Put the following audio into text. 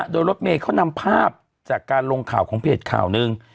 โดยรถเมย์เขานำภาพจากการลงข่าวของเพจข่าวหนึ่ง